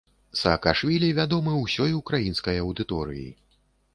Саакашвілі вядомы ўсёй украінскай аўдыторыі.